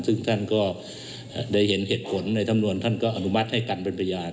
ซึ่งท่านก็ได้เห็นเหตุผลในสำนวนท่านก็อนุมัติให้กันเป็นพยาน